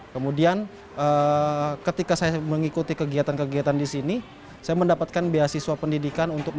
kemudian ketika saya mengikuti kegiatan kegiatan di sini saya mendapatkan beasiswa pendidikan